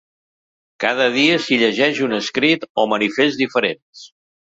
Cada dia s’hi llegeix un escrit o manifest diferents.